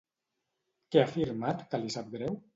Què ha afirmat que li sap greu?